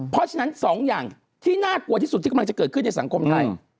เพราะฉะนั้น๒อย่างที่น่ากลัวที่สุดที่กำลังจะเกิดขึ้นในสังคมไทย